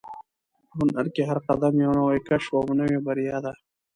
په هنر کې هر قدم یو نوی کشف او یوه نوې بریا ده.